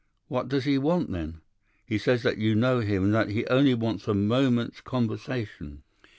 "'What does he want, then?' "'He says that you know him, and that he only wants a moment's conversation.